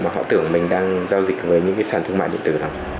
mà họ tưởng mình đang giao dịch với sản thương mại điện tử